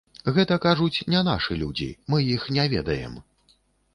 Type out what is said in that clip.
Гэта, кажуць, не нашы людзі, мы іх не ведаем.